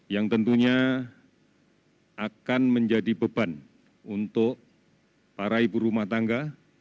yang tentunya akan menjadi beban untuk para ibu rumah tangga